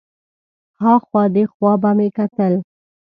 ها خوا دې خوا به مې کتل.